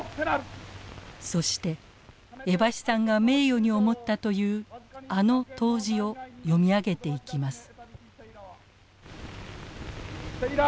そして江橋さんが名誉に思ったというあの答辞を読み上げていきます。